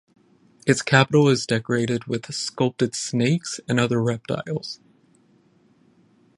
Its capital is decorated with sculpted snakes and other reptiles.